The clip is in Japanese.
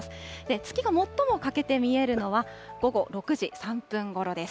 月が最も欠けて見えるのは午後６時３分ごろです。